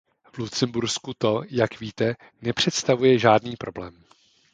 V Lucembursku to, jak víte, nepředstavuje žádný problém.